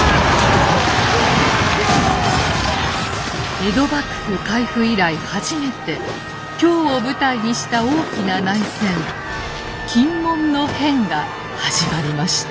江戸幕府開府以来初めて京を舞台にした大きな内戦禁門の変が始まりました。